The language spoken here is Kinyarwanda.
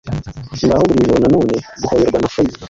ngaho, buri joro na none, guhoberwa na fairies